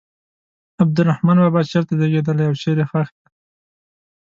عبدالرحمان بابا چېرته زیږېدلی او چیرې ښخ دی.